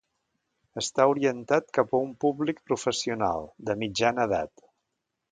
Està orientat cap a un públic professional, de mitjana edat.